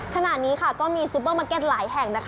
ขณะนี้ก็มีซูเปอร์มาร์เก็ตหลายแห่ง